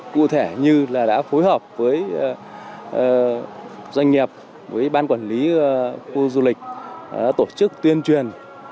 cụ thể như là đã phối hợp với doanh nghiệp với ban quản lý khu du lịch tổ chức tuyên truyền